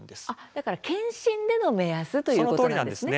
だから健診での目安ということなんですね。